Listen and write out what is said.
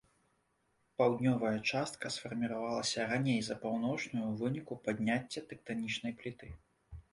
Паўднёвая частка сфарміравалася раней за паўночную ў выніку падняцця тэктанічнай пліты.